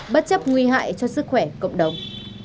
bất chấp nguy hại cho sức khỏe cộng đồng